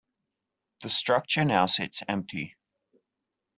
The structure now sits empty.